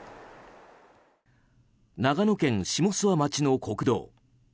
長野県下諏訪町の国道。